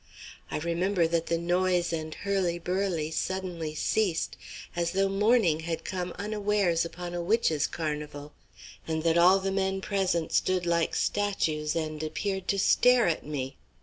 I remember that the noise and hurley burley suddenly ceased, as though morning had come unawares upon a witches' carnival and that all the men present stood like statues and appeared to stare at me.